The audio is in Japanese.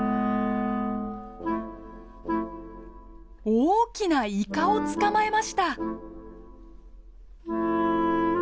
大きなイカを捕まえました！